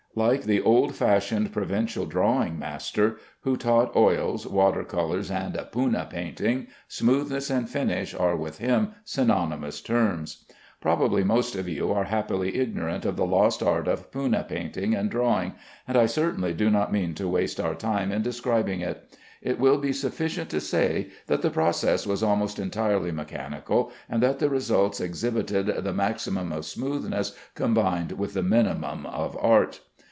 Like the old fashioned provincial drawing master, who taught oils, water colors, and Poonah painting, smoothness and finish are with him synonymous terms. Probably most of you are happily ignorant of the lost art of Poonah painting and drawing, and I certainly do not mean to waste our time in describing it. It will be sufficient to say that the process was almost entirely mechanical, and that the results exhibited the maximum of smoothness combined with the minimum of art.